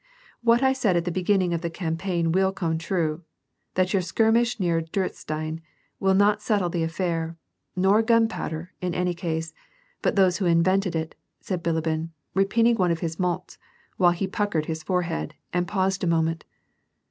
What I^aid at the begin ning of the campaign will come true : that your skinnish near Durenstein * will not settle the affair, nor gunj)owder, in any case, but those who invented it," said Bilibin, repeating one of his niotSy while he puckered his forehead and paused a moment.